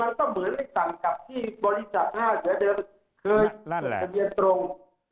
เคยเปิดทะเบียนตรงเพียงแต่ว่าเปลี่ยนรูปเปลี่ยนร่างเปลี่ยนหน้าเปลี่ยนตาแค่นั้นเอง